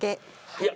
いや